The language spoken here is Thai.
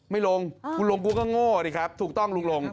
ไม่ลงคุณลงกูก็โง่ดิครับถูกต้องลุงลง